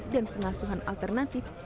dan pengasuhan alternatif